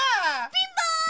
ピンポーン！